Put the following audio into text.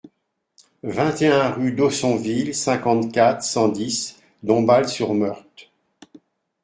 vingt et un rue d'Haussonville, cinquante-quatre, cent dix, Dombasle-sur-Meurthe